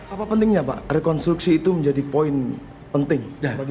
apa pentingnya pak rekonstruksi itu menjadi poin penting